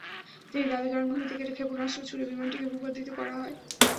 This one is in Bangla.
তিনি দাবি করেন, ভূমি থেকে ক্ষেপণাস্ত্র ছুড়ে বিমানটিকে ভূপাতিত করা হয়।